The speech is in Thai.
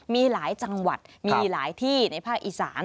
มีหลายจังหวัดมีหลายที่ในภาคอีสาน